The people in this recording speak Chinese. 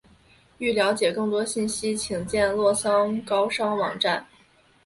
欲了解更多信息请见洛桑高商网站。